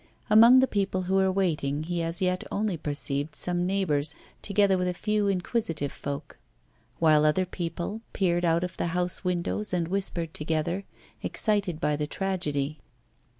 Among the people who were waiting he as yet only perceived some neighbours, together with a few inquisitive folk; while other people peered out of the house windows and whispered together, excited by the tragedy.